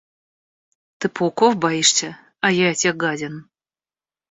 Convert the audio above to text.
Ты пауков боишься, а я этих гадин.